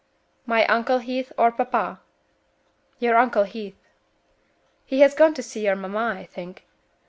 "My Uncle Heath, or papa?" "Your Uncle Heath." "He has gone to see your mamma, I think.